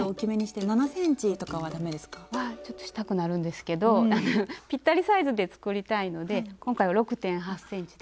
ちょっとしたくなるんですけどぴったりサイズで作りたいので今回は６．８ｃｍで。